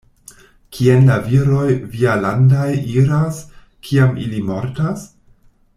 Kien la viroj vialandaj iras, kiam ili mortas?